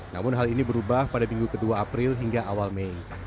namun hal ini berubah pada minggu kedua april hingga awal mei